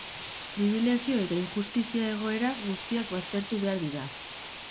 Pribilegio eta injustizia egoera guztiak baztertu behar dira.